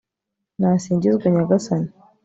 nasingizwe nyagasani